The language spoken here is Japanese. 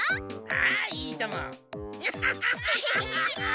ああいいとも。